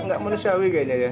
nggak manusiawi kayaknya ya